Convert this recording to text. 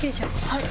はい！